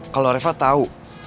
kalau reva tau